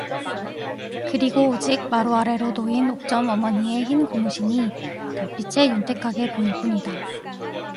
그리고 오직 마루 아래로 놓인 옥점 어머니의 흰 고무신이 달빛에 윤택하게 보일 뿐이다.